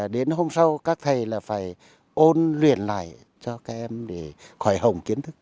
đến hôm sau các thầy là phải ôn luyện lại cho các em để khỏi hồng kiến thức